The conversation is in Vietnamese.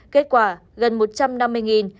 kết quả gần một trăm năm mươi trên hai trăm chín mươi ba